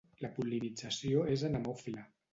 La pol·linització és anemòfila.